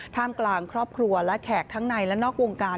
กลางครอบครัวและแขกทั้งในและนอกวงการ